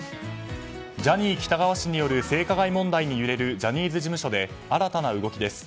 ジャニー喜多川氏による性加害問題に揺れるジャニーズ事務所で新たな動きです。